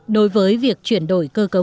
đối với việc chuyển đổi cơ cấu